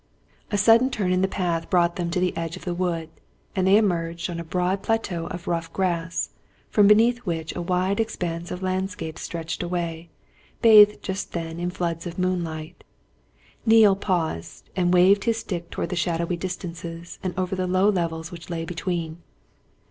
A sudden turn in the path brought them to the edge of the wood, and they emerged on a broad plateau of rough grass, from beneath which a wide expanse of landscape stretched away, bathed just then in floods of moonlight. Neale paused and waved his stick towards the shadowy distances and over the low levels which lay between.